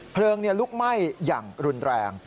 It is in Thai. เพลิงลุกไหม้อย่างรุนแรง